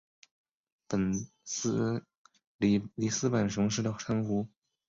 里斯本雄狮的称呼。